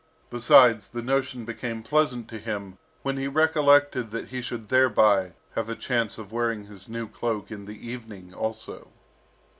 Besides, the notion became pleasant to him when he recollected that he should thereby have a chance of wearing his new cloak in the evening also.